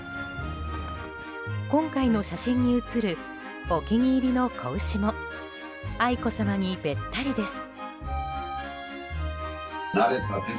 今回の写真に写るお気に入りの子牛も愛子さまにべったりです。